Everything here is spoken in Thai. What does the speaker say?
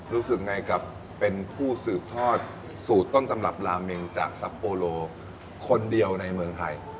รู้สึกไงกับเป็นผู้สืบทอดสูตรต้นตำรับลาเมงจากซัปโปโลคนเดียวในเมืองไทย